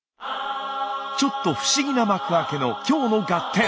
ちょっと不思議な幕開けの今日の「ガッテン！」。